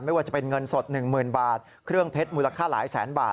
ไม่ว่าจะเป็นเงินสด๑๐๐๐บาทเครื่องเพชรมูลค่าหลายแสนบาท